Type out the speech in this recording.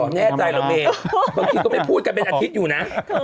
แน่ใจละเมนเห็นคนไม่พูดกันเป็นอาทิตย์อยู่นะ